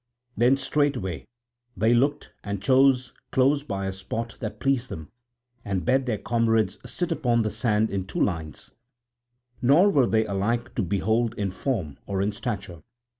Then straightway they looked and chose close by a spot that pleased them and bade their comrades sit upon the sand in two lines; nor were they alike to behold in form or in stature.